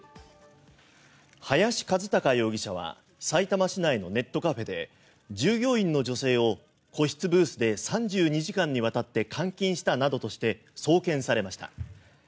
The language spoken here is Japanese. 林一貴容疑者はさいたま市内のネットカフェで従業員の女性を個室ブースで３２時間にわたって監禁したなどとして送検されました。